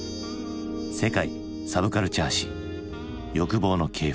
「世界サブカルチャー史欲望の系譜」。